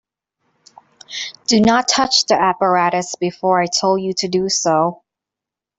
Do not touch the apparatus before I told you to do so.